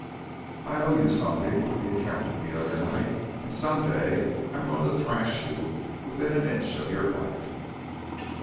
I owe you something on account of the other night and some day I am going to thrash you within an inch of your life!"